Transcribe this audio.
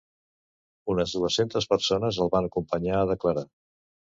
Unes dues-centes persones el van acompanyar a declarar.